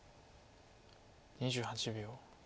２８秒。